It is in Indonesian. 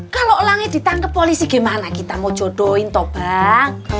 kalau elangnya ditangke polisi gimana kita mau jodohin toh bang